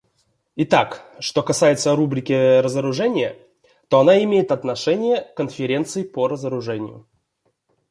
Итак, что касается рубрики разоружения, то она имеет отношение к Конференции по разоружению.